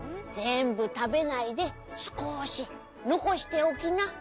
「全部食べないで少し残しておきな」。